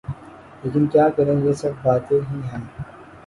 لیکن کیا کریں یہ سب باتیں ہی ہیں۔